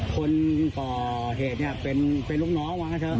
คนก่อเหตุเนี่ยเป็นลูกน้องว่างั้นเถอ